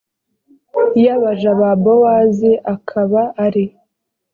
y abaja ba bowazi akaba ari